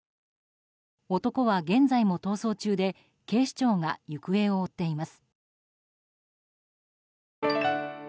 男は現在も逃走中で警視庁が行方を追っています。